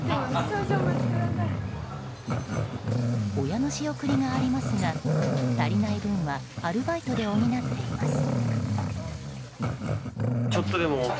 親の仕送りがありますが足りない分はアルバイトで補っています。